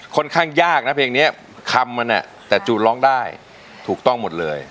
ค่อนข้างยากนะเพลงนี้คำมันแต่จูนร้องได้ถูกต้องหมดเลย